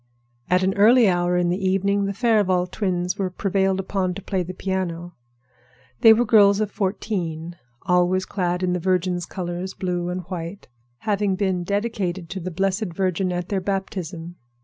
At an early hour in the evening the Farival twins were prevailed upon to play the piano. They were girls of fourteen, always clad in the Virgin's colors, blue and white, having been dedicated to the Blessed Virgin at their baptism.